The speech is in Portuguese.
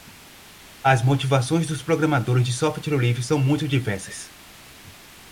As motivações dos programadores de software livre são muito diversas.